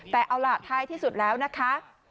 แต่เอาล่ะท้ายที่สุดแล้วนะคะ